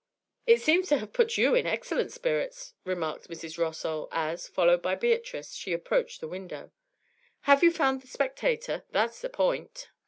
'It seems to have put you into excellent spirits,' remarked Mrs. Rossall, as, followed by Beatrice, she approached the window. 'Have you found the "Spectator?" that's the point.'